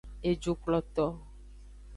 Ejukploto.